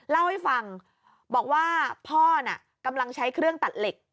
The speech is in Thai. เล่าให้ฟังบอกว่าพ่อน่ะกำลังใช้เครื่องตัดเหล็ก